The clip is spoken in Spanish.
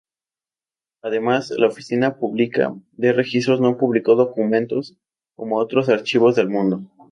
Además, la Oficina Pública de Registros no publicó documentos como otros archivos del mundo.